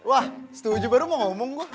wah setuju baru mau ngomong kok